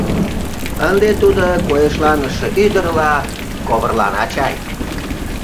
Ынде тудо койышланыше ӱдырла ковыралана чай?..